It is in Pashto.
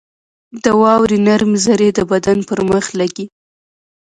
• د واورې نرمې ذرې د بدن پر مخ لګي.